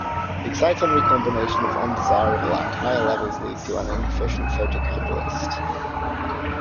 Exciton recombination is undesirable and higher levels lead to an inefficient photocatalyst.